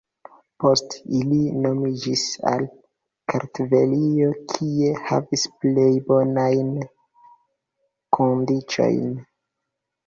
Poste ili moviĝis al Kartvelio, kie havis plej bonajn kondiĉojn.